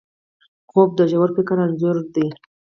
خوب د ژور فکر انځور دی